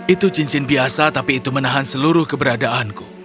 itu cincin biasa tapi itu menahan seluruh keberadaanku